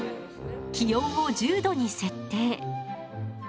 気温を１０度に設定。